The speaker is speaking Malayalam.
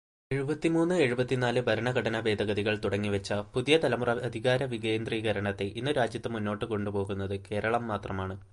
എഴുപത്തിമൂന്ന്, എഴുപത്തിനാല് ഭരണഘടനാ ഭേദഗതികൾ തുടങ്ങിവച്ച പുതിയതലമുറ അധികാരവികേന്ദ്രീകരണത്തെ ഇന്നു രാജ്യത്ത് മുന്നോട്ടു കൊണ്ടുപോകുന്നതു കേരളം മാത്രമാണ്.